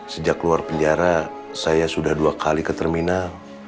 sejak keluar penjara saya sudah dua kali ke terminal